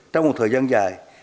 trong một thời gian dài